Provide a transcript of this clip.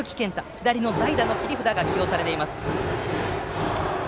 左の代打の切り札が起用されています。